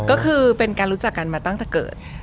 ก็คือเป็นการรู้จักกันมาตั้งแต่เกิด